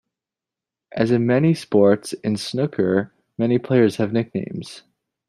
As in many sports, in snooker many players have nicknames.